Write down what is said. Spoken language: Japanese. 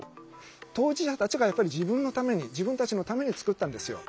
当事者たちがやっぱり自分のために自分たちのために作ったんですよ。